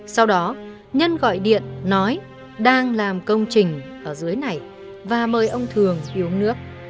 sau đó nhân gọi điện nói đang làm công trình ở dưới này và mời ông thường yêu nước